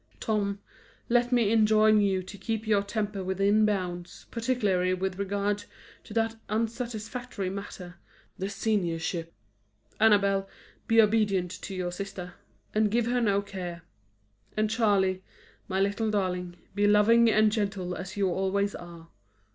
Tom, let me enjoin you to keep your temper within bounds, particularly with regard to that unsatisfactory matter, the seniorship. Annabel, be obedient to your sister, and give her no care. And Charley, my little darling, be loving and gentle as you always are.